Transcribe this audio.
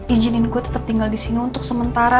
ijinin gue tetep tinggal disini untuk sementara